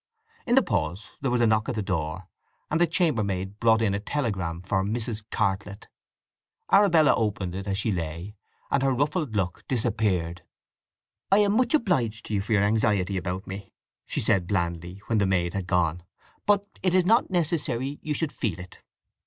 In the pause there was a knock at the door, and the chambermaid brought in a telegram for "Mrs. Cartlett." Arabella opened it as she lay, and her ruffled look disappeared. "I am much obliged to you for your anxiety about me," she said blandly when the maid had gone; "but it is not necessary you should feel it.